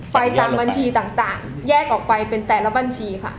ไปตามบัญชีต่างแยกออกไปเป็นแต่ละบัญชีค่ะ